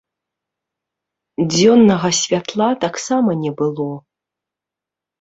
Дзённага святла таксама не было.